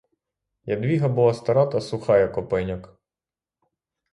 Ядвіга була стара та суха, як опеньок.